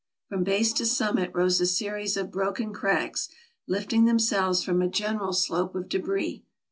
From base to summit rose a series of broken crags, lifting themselves from a gen eral slope of debris.